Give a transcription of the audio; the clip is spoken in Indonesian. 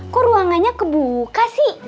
kok ruangannya kebuka sih